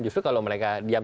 justru kalau mereka diam